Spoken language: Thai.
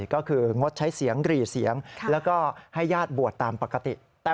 ก็คืองดใช้เสียงกรีเสียงแล้วก็ให้ญาติบวชตามปกติ